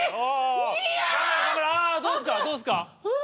どうっすか？